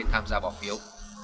tham gia bỏ phiếu